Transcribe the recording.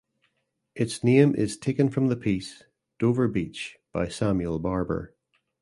Its name is taken from the piece "Dover Beach" by Samuel Barber.